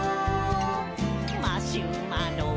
「マシュマロ？」